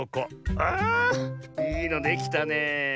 あいいのできたねえ。